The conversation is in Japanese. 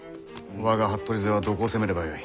我が服部勢はどこを攻めればよい？